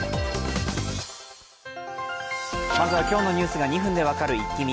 まずは今日のニュースが２分で分かるイッキ見。